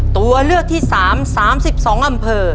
ตัวเลือกที่สามสามสิบสองอำเภอ